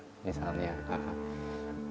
jadi saya juga berharap akan dapat kembali